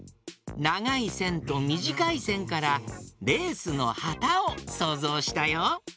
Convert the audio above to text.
ながいせんとみじかいせんからレースのはたをそうぞうしたよ。